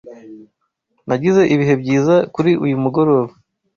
Nagize ibihe byiza kuri uyu mugoroba.